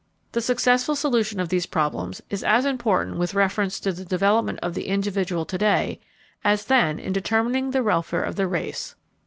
The successful solution of these problems is as important with reference to the development of the individual to day as then in determining the welfare of the race.